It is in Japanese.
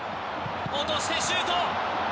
落としてシュート。